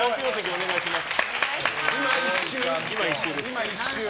お願いします。